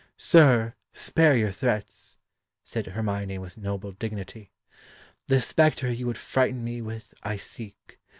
"Sir, spare your threats," said Hermione with noble dignity. "The spectre you would frighten me with, I seek.